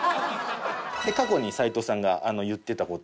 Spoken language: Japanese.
過去に齊藤さんが言ってた事。